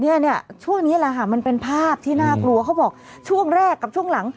เนี่ยเนี่ยช่วงนี้แหละค่ะมันเป็นภาพที่น่ากลัวเขาบอกช่วงแรกกับช่วงหลัง